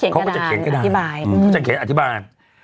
เขาก็จะเขียนอธิบาย